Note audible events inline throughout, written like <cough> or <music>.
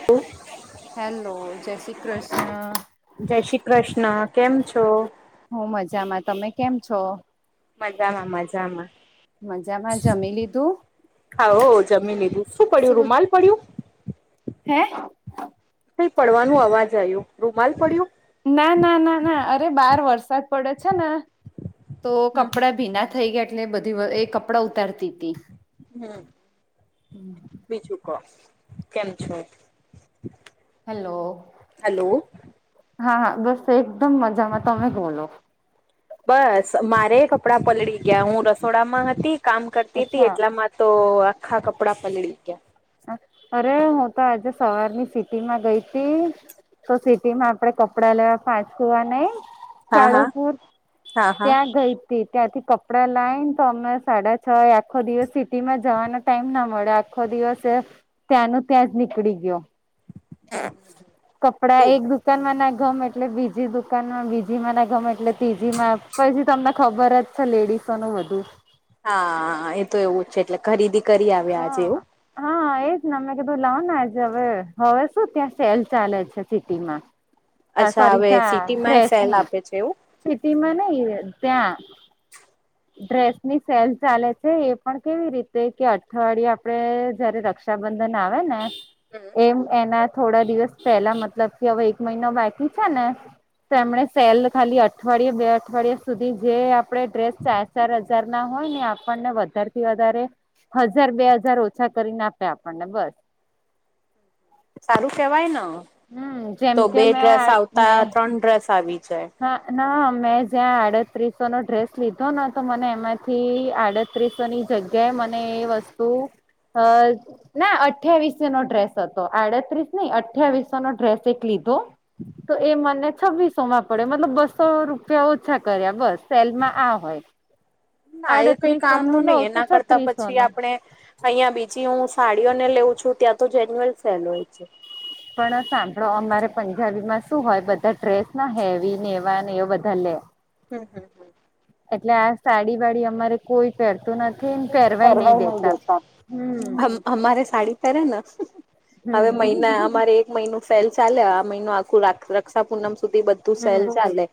હ <unintelligible> હેલો. જય શ્રી કૃષ્ણ. જય શ્રી કૃષ્ણ કેમ છો હું મજામાં તમે કેમ છો મજામાં મજામાં મજામાં જમી લીધું હા હો જમી લીધું શું પડ્યું રૂમાલ પડ્યું હે કઈ પડવાનું અવાજ આયુ રૂમાલ પડ્યું ના ના ના અરે બાર વરસાદ પડે છે ને તો હમ હમ કપડા ભીના થઈ ગયા એટલે એ બધી એ કપડાં ઉતારતી હતી હમ બીજું કો કેમ છો હેલો હલો હા બસ એકદમ મજામાં તમે બોલો બસ મારે કપડાં પલળી ગયા હું રસોડામાં હતી કામ કરતી હતી અચ્છા એટલામાં તો આખા કપડા પલળી ગયા અરે હું તો આજે સવારની સિટી માં ગઈતો તો સિટી માં આપડે કપડા લેવા પાચકુંવા નઈ હા હા કાલુપુર હા હા ત્યાં ગઈ તે ત્યાંથી કપડા લાય ને તો અમે સાડા છ આખો દિવસ સિટી માં જવાના ટાઈમ ના મળે આખો દિવસે ત્યાંનું ત્યાં જ નીકળી ગયો <unintelligible> કપડા તું એક દુકાનમાં ના ગમે એટલે બીજી દુકાનમાં બીજીમાં ના ગમે એટલે ત્રીજી માં પછી તમને ખબર જ છે લેડીસોનું બધું હા એ તો એવું જ છે એટલે ખરીદી કરી આવીયા આજે હા એવું હા એજ ને મે કીધું લાવ ને આજે હવે હવે શું ત્યાં સેલ ચાલે છે સિટીમાં હા અચ્છા સોરી હવે ત્યાં સિટીમાં એ સેલ ડ્રેસની આપે છે એવું સિટી માં નઈ ત્યાં ડ્રેસ ની સેલ ચાલે છે એ પણ કેવી રીતે કે અઠવાડિયે આપડે જયારે ર રક્ષાબંધન આવે ને હમ એમ એના થોડા દિવસ પેલા મતલબ કે હવે એક મહિનો બાકી છે ને તો એમણે સેલ ખાલી અઠવાડિયે બે અઠવાડિયા સુધી જે આપડે ડ્રેસ ચાર ચાર હજ જાર ના હોય ને આપણને વધાર થી વધારે હજાર બે હજાર ઓછા કરીને આપે આપણને બસ સારું કેવાય ન હમ તો જેમ કે બે ડ્રેસ મેં આવતા મેં ત્રણ ડ્રેસ આવી જાય હા ના મેં જ્યાં આડત્રીસો નો ડ્રેસ લીધો ને તો મને એમાંથી આડ ત્રીસોની જગ્યાએ મને એ વસ્તુ અ ના અઠયાવીસ નો ડ્રેસ હતો આડત્રીસ નઈ અઠવીસો નો ડ્રેસ એક લીધો. તો એ મને છવ્વીસો માં પડે મતલબ બસો રૂપિયા ઓછા કર્યા બસ સેલમાં આ હોય. ના એ કઈ આડત્રીસો કામ નું લઉ નહી તો એના કરતા છત્રીસો પછી નો આપણે અહિયાં બીજી હું સાડીઓ ને લેઉું છું ત્યાં તો જેન્યુઅલ સેલ હોય છે. પણ સાંભળો અમારે પંજાબી માં શું હોય બધા ડ્રેસ ના હેવી નેવા એવ બધા લે. હમ્મ, હમ્મ, હમ્મ. એટલે આ સાડી વાડી અમારે કોઈ પહેરતું નથ કરવા નહી દેતા. હમ અમારે સાડી પહેરે ને હવે મહિના હમ. અમારે મહિનું સેલ ચાલે આ મહિનું આખું રક્ષા પૂનમ સુધી બધું સેલ હમ ચાલે.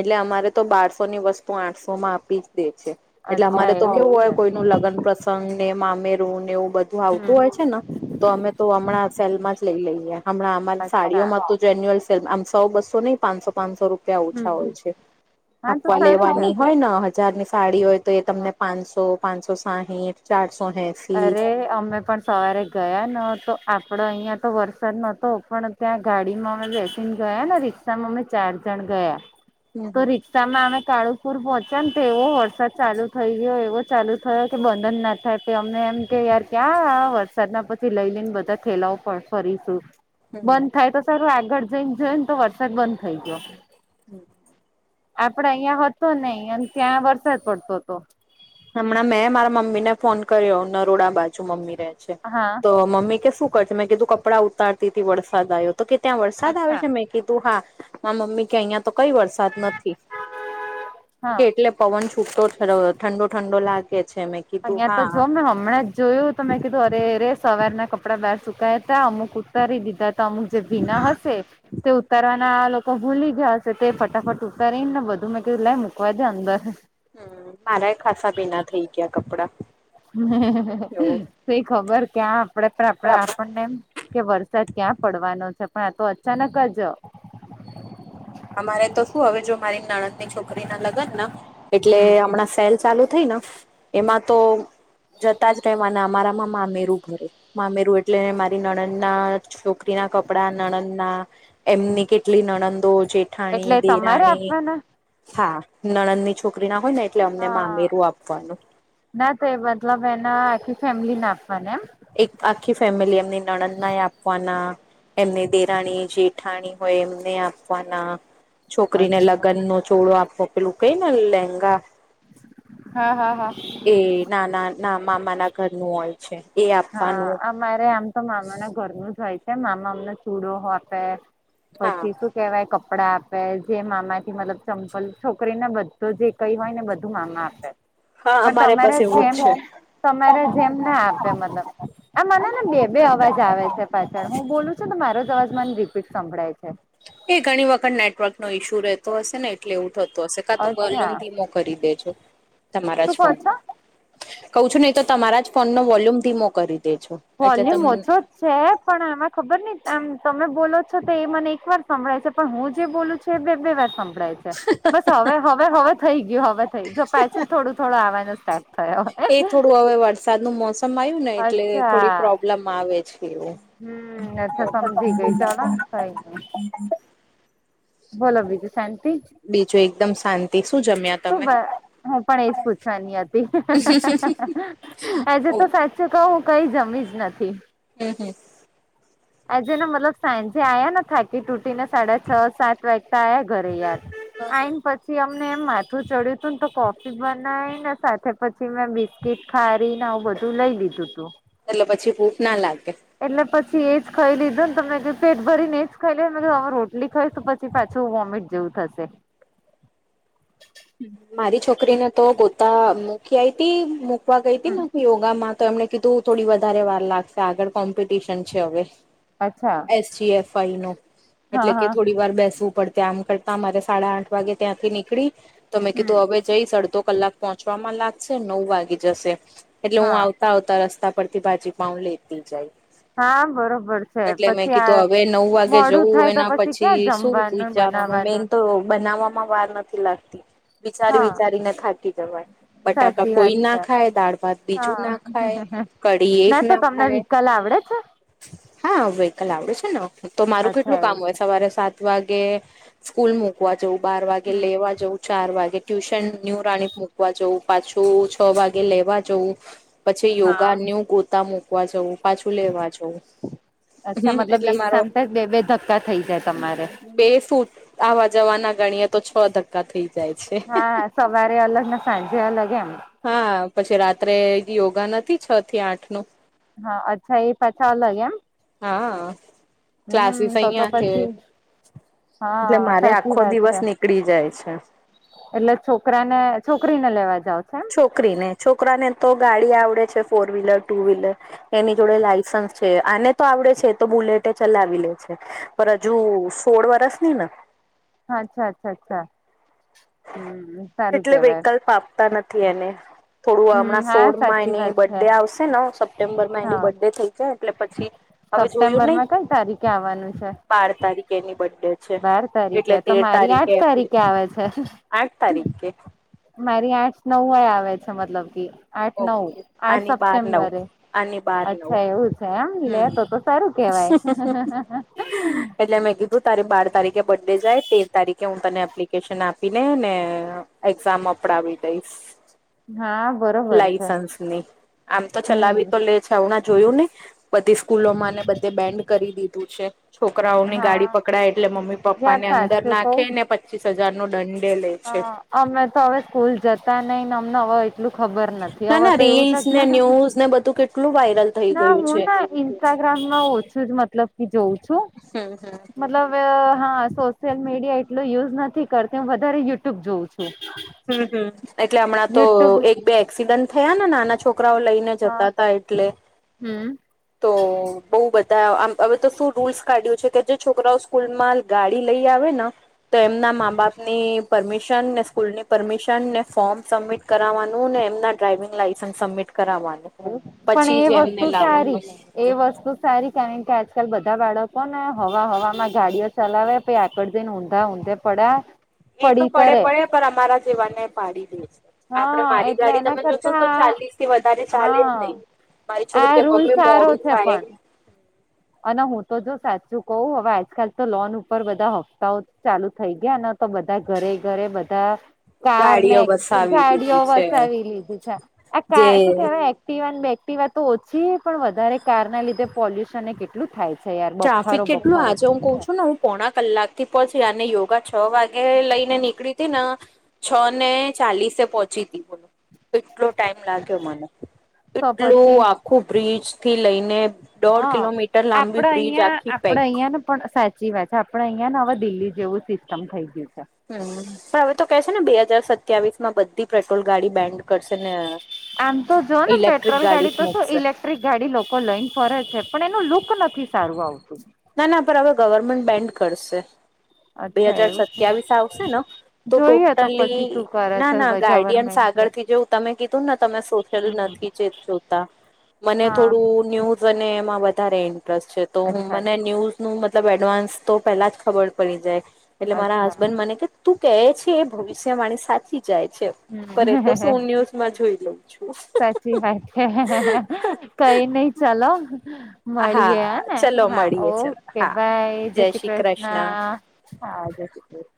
એટલે અમારે તો બારસો ની વસ્તુ આઠસો માં આપી જ દે છે એટલે અચ્છા અમારે તો એવું કેવું છે હોય કોઈનું લગ્ન પ્રસંગ ને મામેરું ને એવું બધું આવતું હમ હોય છે ને તો અમે તો હમણાં સેલમાં જ લઈ લઈએ હમણાં અમારી અચ્છા સાડીઓમાં તો જેન્યુલ સે આમ સો બસો નહીં પાચસો પાંસો રૂપ પીયા ઓછા હમ. હોય છે. હા તો આપવા સારું લેવાની કેવાય. હોય ને હજાર ની સાડી હોય તો એ તમને પાંચસો, પાંચસો સાહીઠ, ચારસો હે અરે અમે પણ સવારે ગયા ન તો આપડ અહીંયા તો વરસાદ નતો પણ ત્યાં ગાડીમાં અમે ગયા ને રિક્ષા માં અમે ચાર જણ ગયા. તો હમ રિ સામાં અમે કાળુપુર પહોંચ્યા ને તો એવો વરસાદ ચાલુ થઈ ગયો એવો ચાલુ થયો કે બંધન ના થાય કે અમને એમ કે યાર ક્યાં આ વરસાદ ના પછી લઈ લઈને બધા થેલાઓ પણ ફરીશું. હમ બંધ થાય તો સારું આગળ જઈને જોયો ને તો વરસાદ બંધ થઈ ગયો. હમ્મ. આપડ અહિયાં હતો નઈ અને ત્યાં વરસાદ પડતો હતો. હમણાં મેં મારા મમ્મી ને ફોન કર્યો નરોડા બાજુ મમ્મી રહે છે. હા. તો મમ્મી કે શું કરશે મેં કીધું કપડાં ઉતારતી હતી વરસાદ આવ્યો તે. તો કે ત્યાં વરસાદ આવે અચ્છા છે મેં કીધું હા મા મમ્મી કે અહીં તો કઈ વરસાદ નથી હા કે એટલે પવન છૂટો ઠંડો ઠંડો લાગે છે મે અહિયાં તો જો ન હમણા જ જોયું તો મેં કીધું અરે અરે સવાર ના કપડા બહાર સુકાયા હતા અમુક ઉતારી દીધા અમુક જે ભીના હશે. તે ઉતારવાના આ લોકો ભૂલી ગયા છે. તે ફટાફટ ઉતારીને બધું મેં કીધું લે મૂકવા દે અંદર. હમ્મ, મારા ખાસા ભીના થઇ ગયા કપડા. એવું શી ખબર કેયા આપણેે પણ આપડે આપણનેમ કે વરસાદ ક્યાં પડવાનો છે પણ આ તો અચાનક જ અમારે તો શું હવે જો મારી નાણંદ ની છોક કરી ના લગન એટલે હમ હમણાં સેલ ચાલુ થઈને એમાં તો જતા જ રહેવાના અમારામાં મામેરું ભરે. મામેરું એટલે મારી નણદના છોકરીના કપડા નણદના એમની કેટલી નણંદો, જેઠાણી, એટલે તમારે દિરાણી આપવાના હા નણંદ ની છોકરી ના હોય ને એટલે હ અમને મામેરું આપવાનું. ના તો એ બતલબ એના આખી ફેમિલી ના આપવાની એમ? એક આખી ફેમિલી એમની નણદ નાય આપવાના એમને દેરાણી જેઠાણી હોય એમને આપવાના છોકરીને અચ્છા લગ્ન નો ચોળો આપવો પેલું કઈ ને લહેંગા. હા, હા, હા. એ નાના ના મામા ના ઘરનું હોય છે એ આપવાનું મારે આમ તો મામા ના ઘરનું જ હોય છે મામા અમને ચૂડો આપે હા પછી શું કેહેવાય કપડાં આપે જે મામાથી મતલબ ચંપલ છોકરીને બધો જે કઈ હોય ને બધું માનમાં આપે. હા પણ અમારે તમારે બસ એવું જ જેમ છે. તમારે જેમ ના આપે મતલબ આ મને ને બે બે અવાજ આવે છે પાછળ હું બોલું છું તો મારો જ અવાજ મને રીપીટ સંભળાય છે. એ ઘણી વખત નેટવર્ક નો ઈશ્યુ રહેતો હશે ને એટલે એવું થતું હશે કા તો અચ્છા વોલ્યુમ ઘીમો. કરી દેજો તમારા જ શું કહો ફોન. છો કઉ છું નહી તો તમારા જ ફોન નો વોલ્યુમ ધીમો કરી દેજો. એટલે વોલ્યુમ તમને ઓછો. છે પણ એમાં ખબર નહીં એમ તમે બોલો છો તો એ મને એક વાર સંભળાય છે. પણ હું જે બોલું છું એ બે બે વાર સંભળાય છે. બસ હવે હવે હવે થઈ ગયું હવે થઈ જો પછું થોડું થોડું આવાનો સ્ટાર્ટ. થયો એ થોડું હવે વરસાદ નું મોસમ આવ્યું ને એટલે થોડી અચ્છા પ્રોબ્લમ આવે છે એવું. હમ અચ્છા સમજી ગઈ ચાલો ને થઈ ગયું ‌. શાંતિ બીજું એકદમ શાંતિ શું જમ. ખબ હું પણ એજ પૂછવાની હતીજ. ઓ તો સાચું કહું હું કઈ જમી જ નથી. હમ હમ. આજે ને મતલબ સાંજે આયા ને થાકી તૂટી ને સાડા છ સાત તો આ ઘરે યાર આઈને પછી. પછી અમને એ માથું ચડ્યું હતું ને તો કોફી બનાવી ને સાથે પછી મે બિસ્ કીટ ખારીને આવું બધું લઈ લીધું તું. એટલે પછી ભુખ ના લાગે. એટલે પછી એજ ખાઈ લીધું ને તમે પેટ ભરી ને એજ ખાઈ લને ને હવે રોટલી ખાઈ પછ. પી પાછું વોમિટ જેવું થશે. મારી છોકરીને તો ગોતા મૂકી આઈ તી મૂકવા ગઈ હતી હમ. ને યોગા માં. તો એમને કીધું થોડી વધારે વાર લાગશે આગળ કોમ્પિટિશન છે હવે. અચ્છા. જી એફ વાઇ નો એટલે હા કે હા. થોડી વાર બેસવું પડશે આમ કર. ના મારે સાડા આઠ વાગે ત્યાંથી નીકળી તો મે કીધું હમ. હવે. જઈ અડધો કલાક પહોંચવામાં લાગશે નવ વાગી જશે. એટલે હું હા આવતા આવતા રસ્તા પરથી ભાજી પાઉ લેતી જાય. હા બરોબર છે એટલે મેં પછી આ કીધું હવે નવ વાગે મોડું જવું થાય તો એના પછી ક્યાં શું જમવાનું વિચારવાનું મેન. બનાવાનું તો બનાવવામાં વાર નથી લાગતી વિચારી હા વિચારીને થાકી જવાય. બટાકા સાચી વાત કોઈ છે. ના ખાય દાળ ભાત બીજું હા ના ખાય કઢી એક તો ના તમને ખાય વિકલ આવડે છે હા વેકલ આવડે છે ને તો મારું અચ્છા કેટલું કામ એવું હોય છે સવારે સાત વાગે સ્કૂલ મુૂકવા જવું બાર વાગે હમ લેવા જવું. ચાર વાગે ટ્યુશન ન્યુ રાણી મુકવા જવું પાછું છ વાગે લેવા જવું. પછી હા યોગા ન્યુ ગોતા મૂકવા જવું પાછું લેવા જવું. અચ્છા હમ મતલબ એટલે એક મારો સામતા જ બે બે ધક્કા થઈ જાય તમારે બે ફુટ. આવા જવાના ગણીએ તો છ ધક્કા થઈ. જાય છે હા સવારે અલગ ને સાંજે અલગ એમ. હા પછી રાત્રે યોગા નથી છ થી આઠ નું. હા અચ્છા એ પાછા અલગ એમ. હા ક્લાસીસ હમ તો તો અહીંયા છે. પછી એટલે હા મારે સાચી આખો વાત દિવસ છે નીકળી જાય છે. એટલે છોકરા ને છોકરીને લેવા જાવ છો એમ. છોકરીને છોકરાને તો ગાડી આવડે છે ફોર વ્હીલર, ટુ વ્હીલર. એની જોડે લાયસન્સ છે. આને તો આવડે છે એ તો બુલેટે ચલાવી લે છે પર હજુ સોળ વરસ ની ને. અચ્છા અચ્છા અચ્છા હમ. સારું એટલે કેવાય વિકલ્પ આપતા નથી એને. થોડું હમ હમણાં હા સોડમાં સાચી એની વાત છે બર્ડે આવશે ને સપ્ટેમ્બરમાં એની હા બર્થ ડે થઈ છે એટલે પછી હવે જોયું સપ્ટેમ્બર નહીં. માં કઈ તારીખે આવવાનું છે બાર તારીખેની બર્થ ડે છે બાર એટલે તારીખે તો તેર મારી તારીખે આઠ એપ્રિલ આવે છે આઠ તારીખકે મારી આઠ નવય આવે છે મતલબ કે આઠ નવ ઓકે આઠ આની બાર નવ સપ્ટેમ્બરે. આની બાર નવ અચ્છા એવું છે આમ હમ લેતો તો સારું કેવાય. એટલે મેં તારી બાર તારીખે બર્ડે જાય તેર તારીખે હું તને એપ્લિકેશન આપી ને ને એક્ઝામ અપડવી દઈશ. હા બરોબર છે લાઈસન્સ ની આમ તો હમ ચલાવી તો લે છે હણા જોયું ને! બધી સ્કૂલોમાંને બધે બેન્ડ કરી દીધું છે. છોકરાઓની ગાડી હા પકડાય એટલે મમ્મી યાર પપ્પાનેં અંદર સાચું કવ નાખે ને પછ પચીસ હજાર નો દંડે લે અ છે. અમે તો હવે સ્કૂલ જતા નઈને અમને હવે એટલું ખબર નથી ના હવે ના તો એવું રીલ્સ ને છેતું ન્યૂઝ ને બધું કે લું વાયરલ થઈ ના ગયું હું છે ના ઇન્સ્ટાગ્રામમાં ઓછું જ મતલબ કે જોઉં છું. હમ હમ મતલબ હા સોશિયલ મીડિયા એટલું યુઝ નથી કરતી હું વધારે યુટ્યુબ જોઉં છું. હમ હમ એટલે હમણાં તો યુટ્યુબ એક બે એક્સિડન્ટ થયા ને નાના છોકરા છોકરાઓ લઈને હા જતા હતા એટલે. હમ તો બઉ બધા આમ હવે તો શું રૂલ્સ કાઢ્યું છે કે જે છોકરાઓ સ્કૂલમાં ગાડી લઈ આવે ને તો એમના મા બાપની પરમિશન ને સ્કૂલની પરમિશન ને ફોર્મ સબમિટ કરવાનું ને એમના ડ્રાાઈવિંગ લાયસન્સ સબમિટ કરાવવાનું. પણ પછી એ જ એમને વસ્તુ સારી. લાવવાનું એ વસ્તુ સારી કેમમ કે આજકાલ બધા બાળકોને હવા હમાં ગાડીઓ ચલાવે પ આકડ દન હઊા ઊદા પડ્યા. એ તો પડી પડે કરે પડે પણ અમારા જેવાને પાડી દે છે. આપણે હા મારી એટલે ગાડી એના તમે જોશો કરતા તો ચાલીસ થી વધારે ચાલે જ હા નહી. મારી છોકરી આ ત રૂલ મમ્મી સારો મોડું છે થાય પણ અને હું તો જો સાચું કહું હવે આજકાલ તો લોન ઉપર બધા હપ્તાઓ ચાલુ થઈ ગયા ને તો બધા ઘરે ઘરે બધા કાર ને ગાડીઓ વસાવી ગાડીઓ દીધી છે વસાવી લીધી છે આ શું જે કેવાય બેક્ટીવા બેક્ટિવા તો ઓછી પણ વધારે કારના લીધે પોલ્યુશનને કેટ એટલું થાય છે યાર. ટ્રાફિક કેટલું આજે હું થઈ કઉ છે છું હું પોણા કલાક થી પહોંચી અને યોગા છ વાગે લઈ ને નીકળી હતી ને છ ને ચાલીસે પોહોંચી હતી બોલું કેટલો ટાઈમ લાગ્યો મને. તો એટલું પછી આખું બ્રિજ થી લઈને દોઢ હા કિલોમીટર લાંબી આપડે બ્રિજ અહિયાં આખી આપડે પેક અહિયાં ને પણ સાચી વાત છે આપડે અહિયાં ને હવે દિલ્હી જેવું સિસ્ટમ થઈ ગયું છે. હમ પણ હવે તો કે છે ને બે હાજર સત્યાવીસ માં બધી પેટ્રોલ ગાડી બેન્ડ કરશે ને આમ તો જો ને ઇલેક્ટ્રિક પેટ્રોલ જ ગાડી તો મૂકશે ઇલેક્ટ ટ્રીક ગાડી લોકો લઈને ફરે છે પણ એનું લુક નથી સારું આવતું. ના ના પણ હવે ગવર્મેન્ટ બેન્ડ કરશે, બે અચ્છા હજાર એવું છે સત્યાવીસ આવશે નો. તો જોઈએ તો ટોટલી, પછી શું કરે ના ના છે ગાર્ડિયન્સ ગવર્મેન્ટ છે. આગળ થી જેવું તમે કીધુંને તમે સોશલ નથી. જોતા મને હા થોડું ન્યુ મને એમાં વધારે ઇન્ટરેસ્ટ છે તો હું અચ્છા મને ન્યૂઝ નુ મતલબ એડવાન્સ તો પેલા જ ખબર પડી જાય એટલે મારા અચ્છા હસબન્ડ મને કે તું કહે છે એ ભવિષ્ય માણી સાચી જાય છે. પર એતો હમ સું ન્યુઝમાં જોઈ લઉં છું. સાચી વાત છે કઈ નહી ચાલો હા મળીએ હ ને, ચલો હા મળીએ ચલો ઓકે હા બાય, જય શ્રી કૃષ્ણ. હા, જે શ્રી કૃષ્